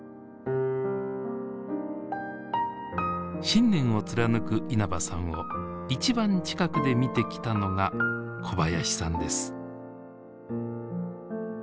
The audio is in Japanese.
信念を貫く稲葉さんを一番近くで見てきたのが小林さんです。